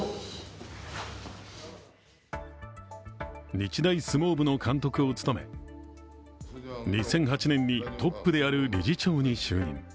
日大相撲部の監督を務め２００８年にトップである理事長に就任。